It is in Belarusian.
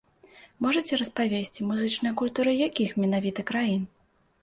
Можаце распавесці, музычныя культуры якіх менавіта краін?